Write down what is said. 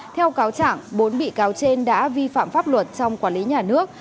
theo cáo trạng bốn bị cáo trên đã vi phạm pháp luật trong quản lý nhà nước